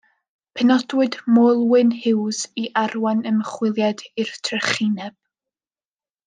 Penodwyd Moelwyn Hughes i arwain ymchwiliad i'r trychineb.